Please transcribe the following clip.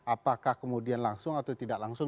apakah kemudian langsung atau tidak langsung